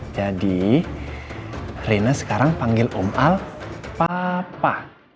jadi rina sekarang panggil om al papa